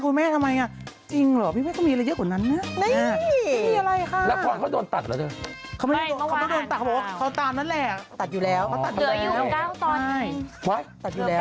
มิคูลแม่ทำไมจริงหรอมิไม่เขามีอะไรเยอะกว่านั้นมั้ยอีกว่าอะไรค่ะก็จนตัดเค้ามันอยู่แล้ว